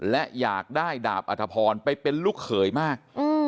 และอยากได้ดาบอัธพรไปเป็นลูกเขยมาก